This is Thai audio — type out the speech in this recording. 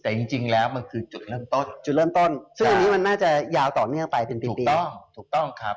แต่จริงแล้วมันคือจุดเริ่มต้นจุดเริ่มต้นซึ่งอันนี้มันน่าจะยาวต่อเนื่องไปเป็นปีถูกต้องครับ